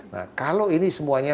nah kalau ini semuanya